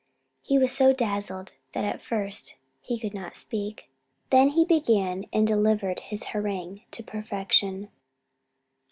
He was so dazzled that at first he could not speak: then he began and delivered his harangue to perfection.